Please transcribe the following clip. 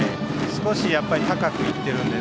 少し高く行っているので。